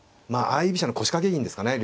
相居飛車の腰掛け銀ですかね。